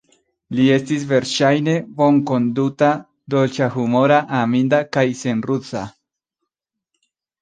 Li estis verŝajne bonkonduta, dolĉahumora, aminda kaj senruza.